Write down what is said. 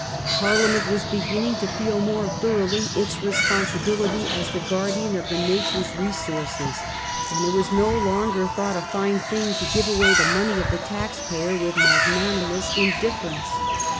Parliament was beginning to feel more thoroughly its responsibility as the guardian of the nation's re sources, and it was no longer thought a fine thing to give away the money of the taxpayer with magnani 1840. DISPUTE ABOUT THE GRANT. 151 mous indifference.